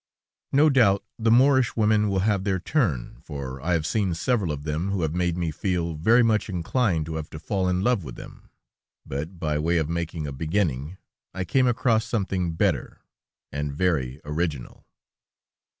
No doubt the Moorish women will have their turn, for I have seen several of them who have made me feel very much inclined to have to fall in love with them; but by way of making a beginning, I came across something better, and very original.